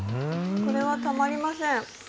これはたまりません。